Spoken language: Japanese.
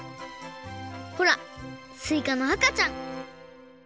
ほらすいかのあかちゃん